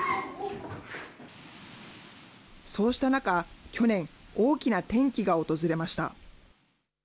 そうした中、去年、大きな転機が訪れました。